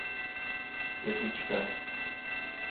Jedlička.